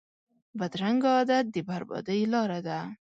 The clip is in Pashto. بدرنګه عادت د بربادۍ لاره ده